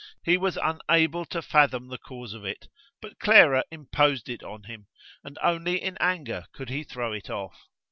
He was unable to fathom the cause of it, but Clara imposed it on him, and only in anger could he throw it off.